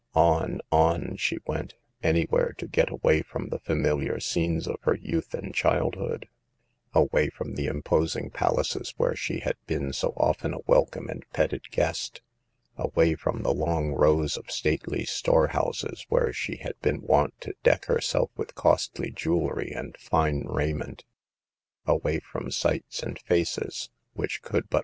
On, on, she went, anywhere to get away from the familiar scenes of her youth and child hood ; away from the imposing palaces where she had been so often a welcome and petted guest ; away from the long rows of stately store houses where she had been wont to deck herself with costly jewelry and fine raiment ; away from sights and faces which could but A PAGE FROM REAL LIES.